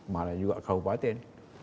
malah juga kabupaten